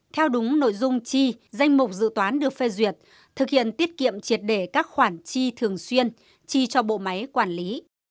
theo đúng nội dung chi danh mục dự toán được phê duyệt thực hiện tiết kiệm triệt để các khoản chi thường xuyên chi cho bộ máy quản lý